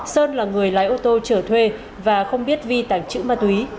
sơn là người lái ô tô chở thuê và không biết vi tảng chữ ma túy